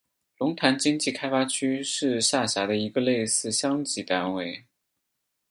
龙潭经济开发区是下辖的一个类似乡级单位。